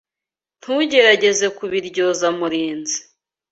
Ntugerageze kubiryoza Murinzi.